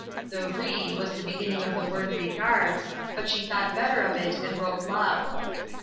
The "re" was the beginning of the word "regards," but she thought better of it and wrote "love."